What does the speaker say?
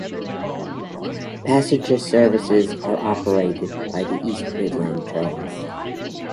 Passenger services are operated by East Midlands Trains.